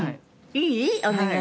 いい？